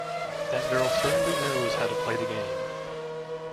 That girl certainly knows how to play the game.